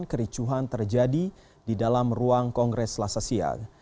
kericuhan terjadi di dalam ruang kongres selasa siang